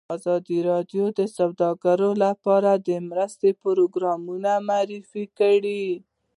ازادي راډیو د سوداګري لپاره د مرستو پروګرامونه معرفي کړي.